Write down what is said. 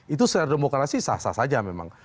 itu secara demokrasi sah sah saja memang